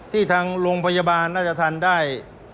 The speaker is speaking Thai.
ที่ทางโรงพยาบาลน่าจะทันได้